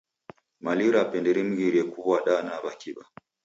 Mali rape nderimghirie kuw'ada na w'akiw'a.